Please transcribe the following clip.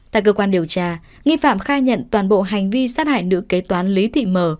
tại cơ quan điều tra nghi phạm khai nhận toàn bộ hành vi sát hại nữ kế toán lý thị mờ